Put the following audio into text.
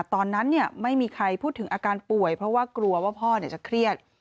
ตอนนั้นไม่มีใครพูดถึงอาการป่วยเพราะว่ากลัวว่าพ่อจะเครียด